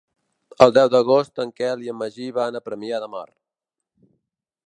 El deu d'agost en Quel i en Magí van a Premià de Mar.